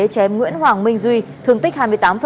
chém nguyễn hoàng minh duy thương tích hai mươi tám